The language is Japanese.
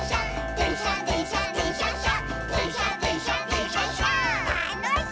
「でんしゃでんしゃでんしゃっしゃ」